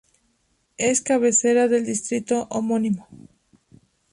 Es cabecera del distrito homónimo.